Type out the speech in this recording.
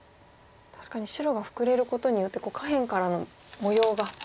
確かに白がフクレることによって下辺からの模様が。